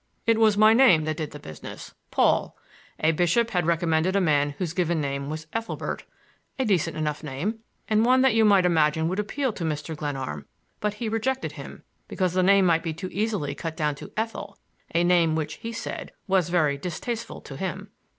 "It was my name that did the business,—Paul. A bishop had recommended a man whose given name was Ethelbert,—a decent enough name and one that you might imagine would appeal to Mr. Glenarm; but he rejected him because the name might too easily be cut down to Ethel, a name which, he said, was very distasteful to him."